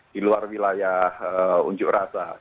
di luar wilayah unjuk rasa